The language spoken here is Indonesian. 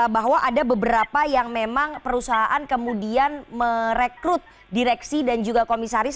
bahwa ada beberapa yang memang perusahaan kemudian merekrut direksi dan juga komisaris